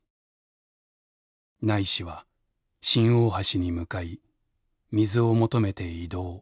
ないしは新大橋に向かい水を求めて移動。